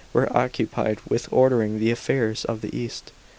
were occupied with ordering the affairs of the east.